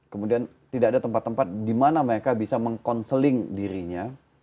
kemudian tidak ada tempat tempat di mana mereka bisa meng counseling dirinya